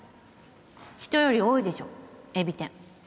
人より多いでしょ海老天